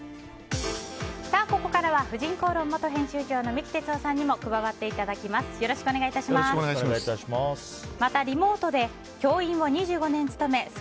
ここからは「婦人公論」元編集長の三木哲男さんにも加わっていただきます。